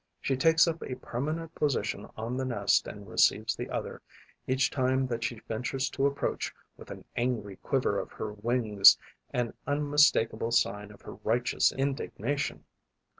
She takes up a permanent position on the nest and receives the other, each time that she ventures to approach, with an angry quiver of her wings, an unmistakable sign of her righteous indignation.